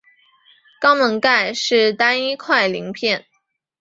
肛门盖是单一块鳞片。